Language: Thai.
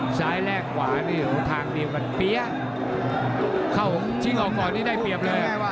ซ้ายแลกขวานี่มีทางเดียวกันเปี้ยข้าวเงินกับทุกคนได้เปรียบเลย